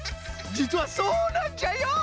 じつはそうなんじゃよ！